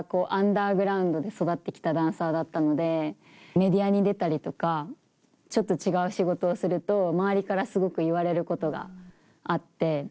メディアに出たりとかちょっと違う仕事をすると周りからすごく言われることがあって。